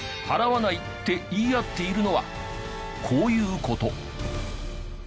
「払わない！」って言い合っているのはこういう事。